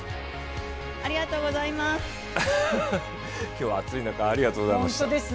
今日は暑い中、ありがとうございました。